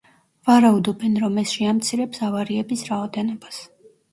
ვარაუდობენ, რომ ეს შეამცირებს ავარიების რაოდენობას.